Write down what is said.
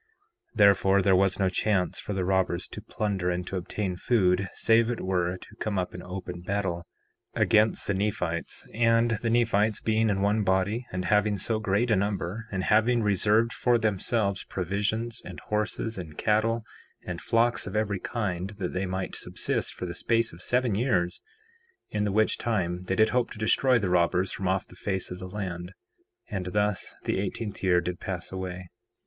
4:4 Therefore, there was no chance for the robbers to plunder and to obtain food, save it were to come up in open battle against the Nephites; and the Nephites being in one body, and having so great a number, and having reserved for themselves provisions, and horses and cattle, and flocks of every kind, that they might subsist for the space of seven years, in the which time they did hope to destroy the robbers from off the face of the land; and thus the eighteenth year did pass away.